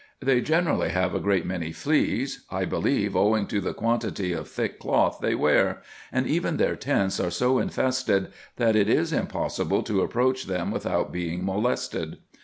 They generally have a great many fleas, I believe owing to the quantity of thick cloth they wear, and even their tents are so infested, that it is impossible to approach them without being molested.